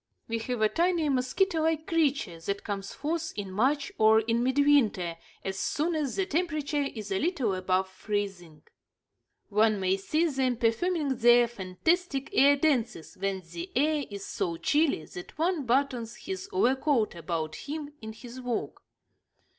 We have a tiny, mosquito like creature that comes forth in March or in midwinter, as soon as the temperature is a little above freezing. One may see them performing their fantastic air dances when the air is so chilly that one buttons his overcoat about him in his walk.